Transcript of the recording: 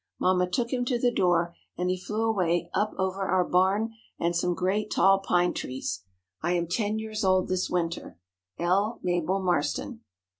Mamma took him to the door, and he flew away up over our barn and some great tall pine trees. I am ten years old this winter. L. MABEL MARSTON.